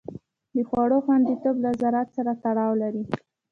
د خوړو خوندیتوب له زراعت سره تړاو لري.